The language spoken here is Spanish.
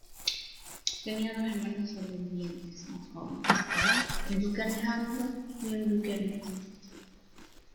Tenía dos hermanos sobrevivientes más jóvenes, el duque Alejandro y el duque Ernesto.